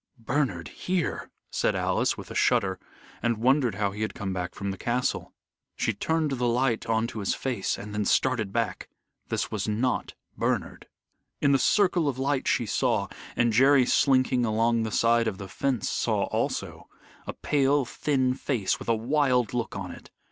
"Bernard here," said Alice, with a shudder, and wondered how he had come from the castle. She turned the light on to his face, and then started back. This was not Bernard. In the circle of light she saw and Jerry slinking along the side of the fence saw also a pale, thin face with a wild look on it.